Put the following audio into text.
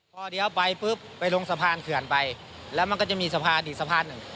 พอเดี๋ยวไปปุ๊บไปลงสะพานเขื่อนไปแล้วมันก็จะมีสะพานอีกสะพานหนึ่ง